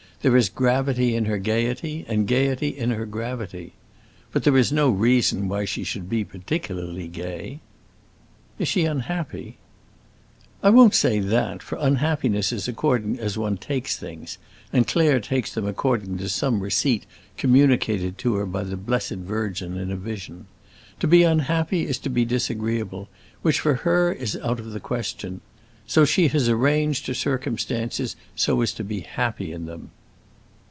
There is gravity in her gaiety, and gaiety in her gravity. But there is no reason why she should be particularly gay." "Is she unhappy?" "I won't say that, for unhappiness is according as one takes things, and Claire takes them according to some receipt communicated to her by the Blessed Virgin in a vision. To be unhappy is to be disagreeable, which, for her, is out of the question. So she has arranged her circumstances so as to be happy in them."